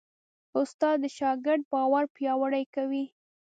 استاد د شاګرد باور پیاوړی کوي.